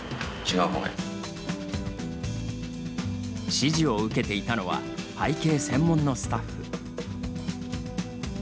指示を受けていたのは背景専門のスタッフ。